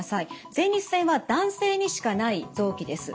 前立腺は男性にしかない臓器です。